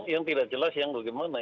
yang tidak jelas yang bagaimana